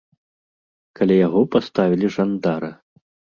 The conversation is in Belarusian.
Каля яго паставілі жандара.